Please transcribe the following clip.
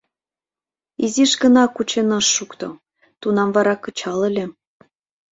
Изиш гына кучен ыш шукто, тунам вара кычал ыле.